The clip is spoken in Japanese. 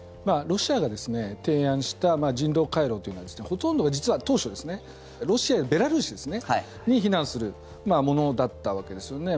ロシアが提案した人道回廊というのはほとんどが実は、当初ロシアやベラルーシに避難するものだったわけですよね。